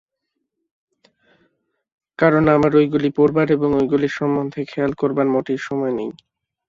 কারণ আমার ঐগুলি পড়বার এবং ঐগুলি সম্বন্ধে খেয়াল করবার মোটেই সময় নেই।